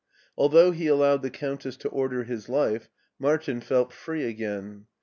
Although he allowed the Countess to order his life, Martin felt free again.